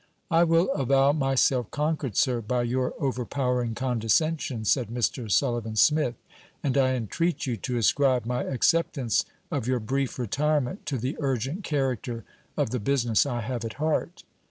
'I will avow myself conquered, sir, by your overpowering condescension;' said Mr. Sullivan Smith; 'and I entreat you to ascribe my acceptance of your brief retirement to the urgent character of the business I have at heart.'